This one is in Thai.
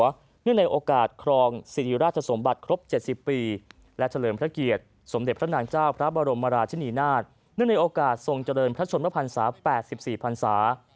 เนื่องในโอกาสครองสิริราชสมบัติครบ๗๐ปีและเฉลิมพระเกียรติสมเด็จพระนางเจ้าพระบรมราชินีนาฏเนื่องในโอกาสทรงเจริญพระชนมพันศา๘๔พันศา